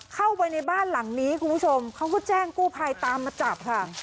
เข้าไปในบ้านหลังนี้คุณผู้ชมเขาก็แจ้งกู้ภัยตามมาจับค่ะ